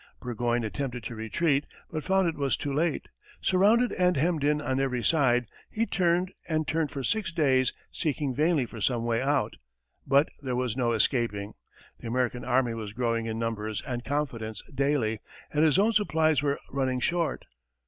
Burgoyne attempted to retreat, but found it was too late. Surrounded and hemmed in on every side, he turned and turned for six days seeking vainly for some way out; but there was no escaping, the American army was growing in numbers and confidence daily, and his own supplies were running short.